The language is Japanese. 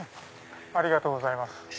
ありがとうございます。